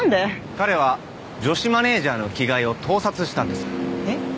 彼は女子マネージャーの着替えを盗撮したんですえっ？